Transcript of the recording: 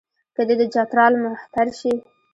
که دی د چترال مهتر شي.